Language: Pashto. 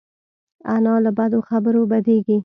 انا له بدو خبرو بدېږي